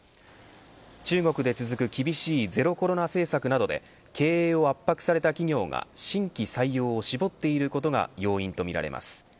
中国で続く厳しいゼロコロナ政策などで経営を圧迫された企業が新規採用を絞っていることが要因とみられます。